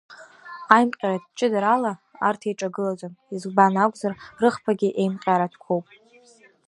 Аимҟьаратә ҷыдарала арҭ еиҿагылаӡом, избан акәзар, рыхԥагьы еимҟьаратәқәоуп.